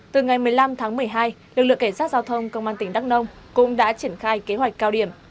từ ngày một mươi năm tháng một mươi hai lực lượng cảnh sát giao thông công an tỉnh đắk nông cũng đã triển khai kế hoạch cao điểm